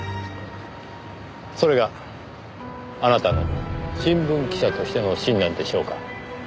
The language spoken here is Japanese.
それがあなたの新聞記者としての信念でしょうか？